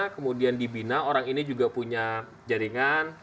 kemudian dibina orang ini juga punya jaringan